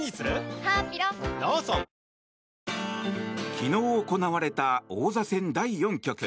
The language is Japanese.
昨日行われた王座戦第４局。